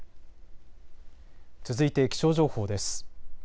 続いて気象情報です。